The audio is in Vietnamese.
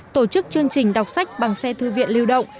tổ chức chương trình đọc sách bằng xe thư viện lưu động